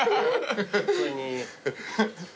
普通に。